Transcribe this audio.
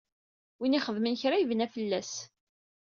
Win ixedmen kra yebna fell-as.